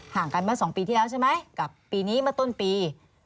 ตรงปีที่แรกตรงปีนี้